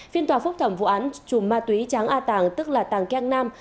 phiên tòa phúc thẩm vụ án chùm ma túy tráng a tàng tức là tàng keng nam